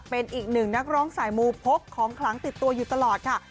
เป็นอีกหนึ่งนักร้องสายมูพกของคลังติดตัวอยู่ตลอดค่ะ